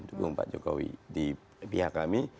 dukung pak jokowi di pihak kami